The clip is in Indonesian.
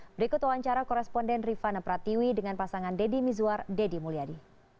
berikut wawancara koresponden rifana pratiwi dengan pasangan deddy mizwar deddy mulyadi